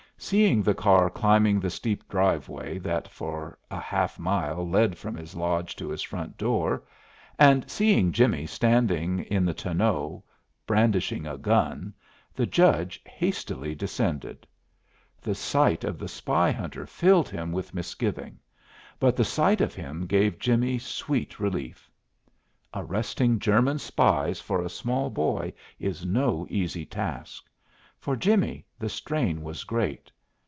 Seeing the car climbing the steep driveway that for a half mile led from his lodge to his front door, and seeing Jimmie standing in the tonneau brandishing a gun, the Judge hastily descended. The sight of the spy hunter filled him with misgiving, but the sight of him gave Jimmie sweet relief. Arresting German spies for a small boy is no easy task. For Jimmie the strain was great.